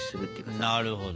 なるほど。